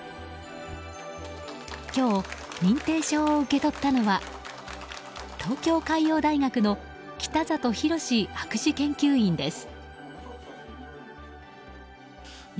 今日、認定証を受け取ったのは東京海洋大学の北里洋博士研究員です。